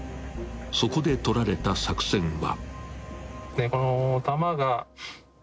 ［そこで取られた作戦は］